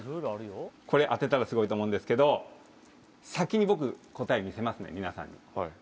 これ当てたらすごいと思うんですけど先に僕答え見せますね皆さんに。